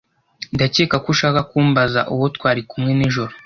Ndakeka ko ushaka kumbaza uwo twari kumwe nijoro.